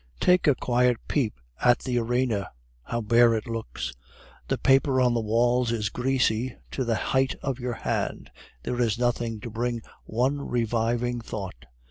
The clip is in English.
Take a quiet peep at the arena. How bare it looks! The paper on the walls is greasy to the height of your head, there is nothing to bring one reviving thought.